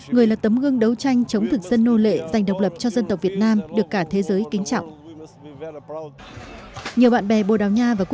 người là tấm gương đấu tranh chống thực dân nô lệ dành độc lập cho dân tộc việt nam được cả thế giới kính trọng